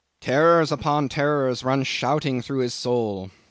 "Terrors upon terrors run shouting through his soul.